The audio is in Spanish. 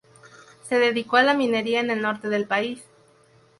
Se dedicó a la minería en el norte del país.